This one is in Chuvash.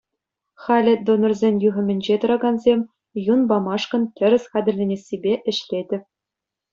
Халӗ донорсен юхӑмӗнче тӑракансем юн памашкӑн тӗрӗс хатӗрленнессипе ӗҫлетӗп.